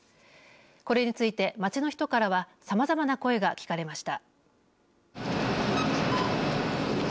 これについて街の人からはさまざまな声が聞かれました。